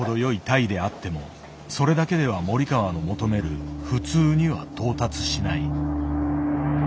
タイであってもそれだけでは森川の求める「普通」には到達しない。